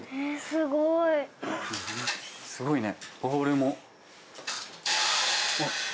すごいね。